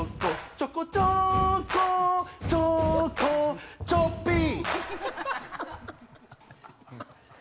ちょこちょこちょこちょっぴー！